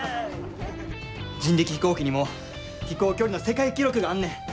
人力飛行機にも飛行距離の世界記録があんねん。